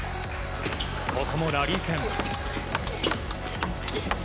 ここもラリー戦。